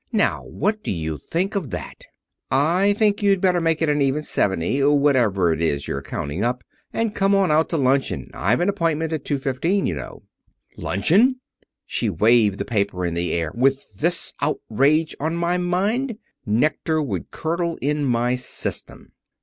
"Now what do you think of that!" "I think you'd better make it an even seventy, whatever it is you're counting up, and come on out to luncheon. I've an appointment at two fifteen, you know." "Luncheon!" she waved the paper in the air "with this outrage on my mind! Nectar would curdle in my system."